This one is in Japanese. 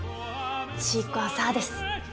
シークワーサーです。